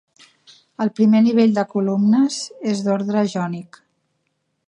El primer nivell de columnes és d'ordre jònic.